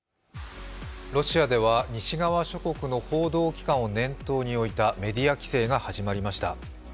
ロシアでは西側諸国の報道機関を念頭に置いたメディア規制が始まりました。